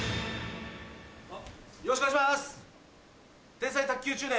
よろしくお願いします！